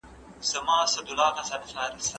تاسي یې وګوری مېلمه دی که شیطان راغلی